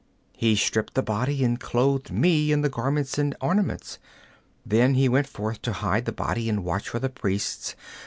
He stripped the body and clothed me in the garments and ornaments. Then he went forth to hide the body and watch for the priests.